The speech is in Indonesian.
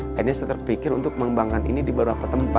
akhirnya saya terpikir untuk mengembangkan ini di beberapa tempat